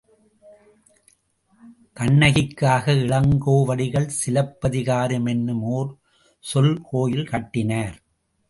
கண்ணகிக்காக இளங்கோவடிகள் சிலப்பதிகாரம் என்னும் ஒரு சொல் கோயில் கட்டினார்.